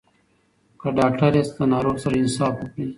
که ډاکټر یاست له ناروغ سره انصاف وکړئ.